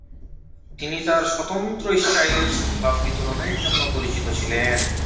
তিনি তার স্বতন্ত্র স্টাইলের সংলাপ বিতরণের জন্য পরিচিত ছিলেন।